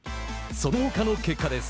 そのほかの結果です。